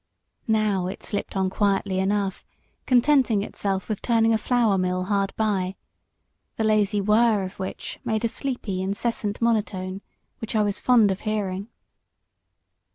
Now it slipped on quietly enough, contenting itself with turning a flour mill hard by, the lazy whirr of which made a sleepy, incessant monotone which I was fond of hearing.